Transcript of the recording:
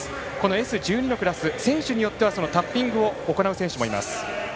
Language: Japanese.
Ｓ１２のクラス、選手によってはタッピングを行う選手もいます。